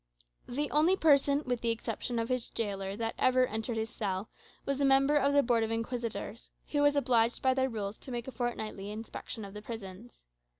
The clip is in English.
The only person, with the exception of his gaoler, that ever entered his cell, was a member of the Board of Inquisitors, who was obliged by their rules to make a fortnightly inspection of the prisons.